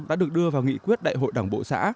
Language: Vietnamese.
đã được đưa vào nghị quyết đại hội đảng bộ xã